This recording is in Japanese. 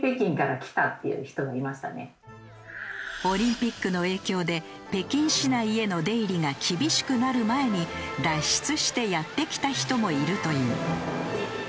オリンピックの影響で北京市内への出入りが厳しくなる前に脱出してやって来た人もいるという。